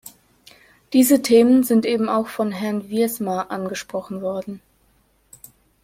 Diese Themen sind eben auch von Herrn Wiersma angesprochen worden.